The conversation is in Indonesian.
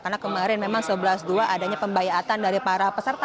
karena kemarin memang sebelas dua adanya pembayatan dari para peserta